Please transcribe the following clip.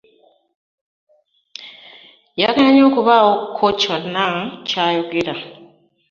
Yagaanyi okubaako kyonna ky'ayogera.